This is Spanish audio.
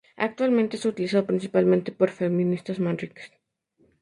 Actualmente, es utilizado principalmente por feministas marroquíes.